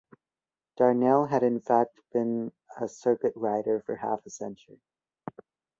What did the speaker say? Darnell had in fact been a circuit rider for half a century.